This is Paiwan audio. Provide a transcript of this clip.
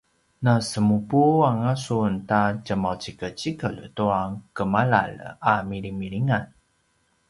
nasemupu anga sun ta tjemaucikecikel tua gemalalj a milimilingan?